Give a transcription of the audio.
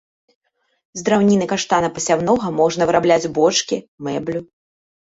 З драўніны каштана пасяўнога можна вырабляць бочкі, мэблю.